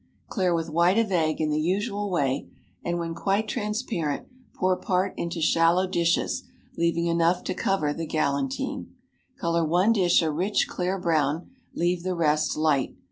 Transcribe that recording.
Clear with white of egg in the usual way, and when quite transparent pour part into shallow dishes, leaving enough to cover the galantine. Color one dish a rich clear brown; leave the rest light.